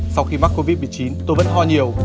sau khi mắc covid một mươi chín tôi vẫn ho nhiều